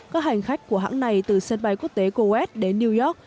các hành khách của hãng này từ sân bay quốc tế coet đến new york